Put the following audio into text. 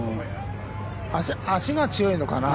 足が強いのかな。